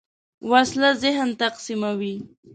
وسله ذهن تقسیموي